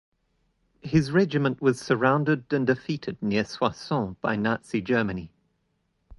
His regiment was surrounded and defeated near Soissons by Nazi Germany.